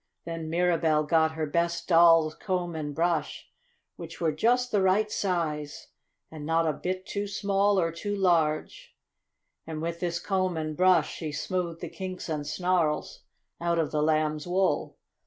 Then Mirabell got her best doll's comb and brush, which were just the right size, and not a bit too small or too large, and with this comb and brush she smoothed the kinks and snarls out of the Lamb's wool.